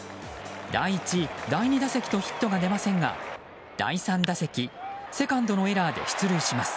第１、第２打席とヒットが出ませんが第３打席、セカンドのエラーで出塁します。